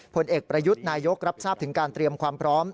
ผลเอกประยุทธ์นายกรับทราบถึงการเตรียมความพร้อม